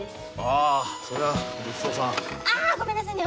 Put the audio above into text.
あごめんなさいね。